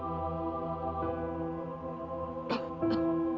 gak ada yang bisa dihukum